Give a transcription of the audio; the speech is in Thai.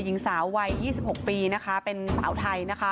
ยิงสาววัย๒๖ปีเป็นสาวไทย